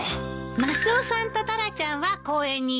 マスオさんとタラちゃんは公園にいるわ。